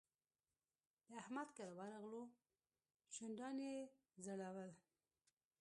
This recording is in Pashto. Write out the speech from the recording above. د احمد کره ورغلو؛ شونډان يې ځړول.